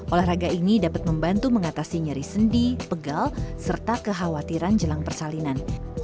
olahraga ini dapat membantu mengatasi nyeri sendi pegal serta kekhawatiran jelang persalinan